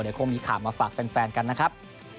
เดี๋ยวคงมีข่าวมาฝากแฟนกันนะครับ